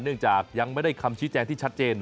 จากยังไม่ได้คำชี้แจงที่ชัดเจน